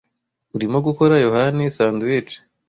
Urimo gukora Yohani sandwich?